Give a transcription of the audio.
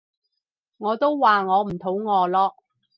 我都話我唔肚餓咯